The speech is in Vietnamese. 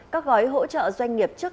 các gói hỗ trợ doanh nghiệp chức